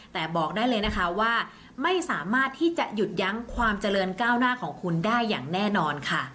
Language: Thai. แต่ไม่สามารถยุทธ์ยั้งความเจริญก้าวหน้าของคุณได้อย่างแน่นอนค่ะ